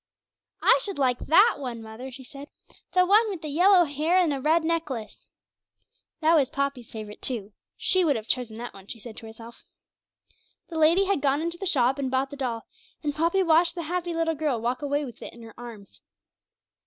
'I should like that one, mother,' she said; 'the one with yellow hair and a red necklace.' That was Poppy's favourite too; she would have chosen that one, she said to herself. The lady had gone into the shop and bought the doll, and Poppy watched the happy little girl walk away with it in her arms.